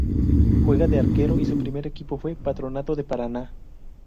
Juega de arquero y su primer equipo fue Patronato de Paraná.